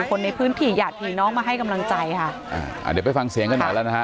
คนในพื้นที่หยาดผีน้องมาให้กำลังใจค่ะอ่าอ่าเดี๋ยวไปฟังเสียงกันหน่อยแล้วนะฮะ